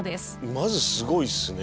まずすごいっすね。